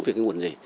về cái nguồn gì